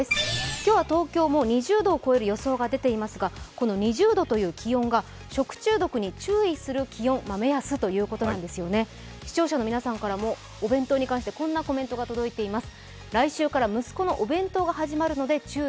今日は東京も２０度を超える予想が出ていますが、この２０度という気温が、食中毒に注意する気温、目安ということなんです、視聴者の皆さんからもお弁当に関してこんなコメントが届いています。